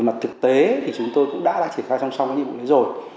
mặt thực tế thì chúng tôi cũng đã triển khai trong xong các nhiệm vụ này rồi